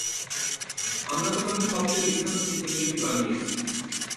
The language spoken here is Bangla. আমরা তোমাকে সবচেয়ে বিখ্যাত চিত্রশিল্পী বানিয়েছি।